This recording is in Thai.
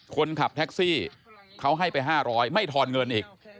คนขับแท็กซี่เขาให้ไป๕๐๐ไม่ทอนเงินอีก